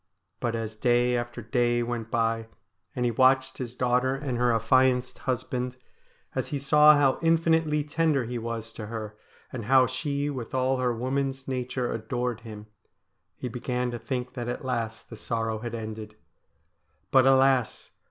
But as day after day went by, and he watched his daughter and her affianced husband, as he saw how infinitely tender he was to her, and how she with all her woman's nature adored him, he began to think that at last the sorrow had ended. But alas